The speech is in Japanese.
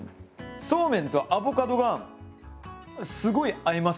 そうめんとアボカドがすごい合います。